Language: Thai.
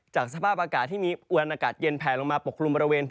จากสภาพอากาศที่มีอลอ